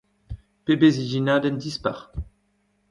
Pebezh ijinadenn dispar !